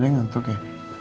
ini untuk ya